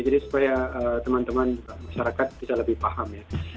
jadi supaya teman teman masyarakat bisa lebih paham